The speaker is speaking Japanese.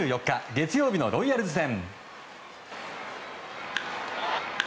月曜日のロイヤルズ戦。